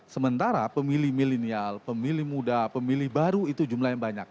sementara pemilih milenial pemilih muda pemilih baru itu jumlah yang banyak